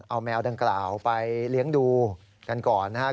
เอาแมวดังกล่าวไปเลี้ยงดูกันก่อนนะครับ